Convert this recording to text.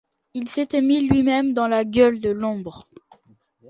Il s’était mis lui-même dans la gueule de l’ombre.